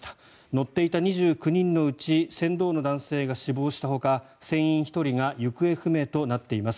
乗っていた２９人のうち船頭の男性が死亡したほか船員１人が行方不明となっています。